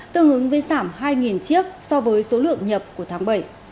tương ứng với giảm hai chiếc so với số lượng nhập của tháng bảy